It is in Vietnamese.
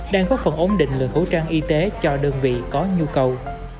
đang góp phần ổn định lượng khẩu trang y tế cho đơn vị có nhu cầu